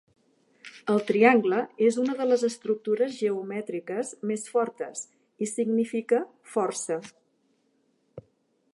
El triangle és una de les estructures geomètriques més fortes i significa força.